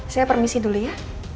saya permisi dulu ya